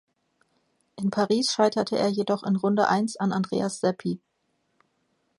In Paris scheiterte er jedoch in Runde eins an Andreas Seppi.